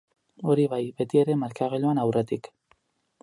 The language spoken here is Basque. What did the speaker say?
Hori bai, beti ere markagailuan aurretik.